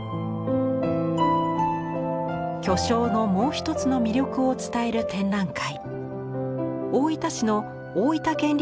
巨匠のもう一つの魅力を伝える展覧会。